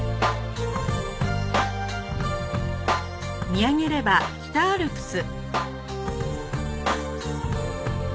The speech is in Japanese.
見上げればいつも北アルプス。